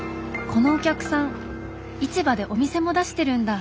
このお客さん市場でお店も出してるんだ。